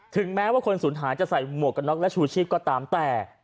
แม้ว่าคนสูญหายจะใส่หมวกกันน็อกและชูชีพก็ตามแต่